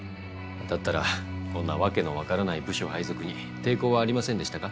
だったらこんなわけのわからない部署配属に抵抗はありませんでしたか？